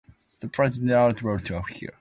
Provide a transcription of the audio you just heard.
The plant is native to Africa.